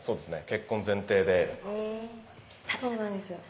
結婚前提でタダなんですよね